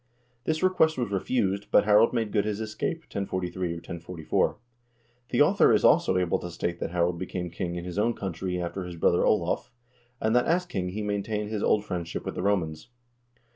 This request was refused, but Harald made good his escape, 1043 or 1044. The author is also able to state that Harald became king in his own country after his brother Olav, and that as king he main tained his old friendship with the Romans.